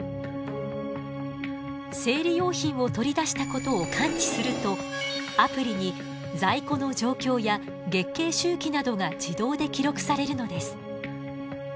生理用品を取り出したことを感知するとアプリに在庫の状況や月経周期などが自動で記録されるのです。